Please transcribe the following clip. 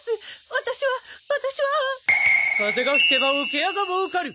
ワタシはワタシは風が吹けば桶屋が儲かる！